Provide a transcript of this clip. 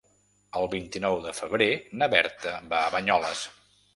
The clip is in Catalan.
El vint-i-nou de febrer na Berta va a Banyoles.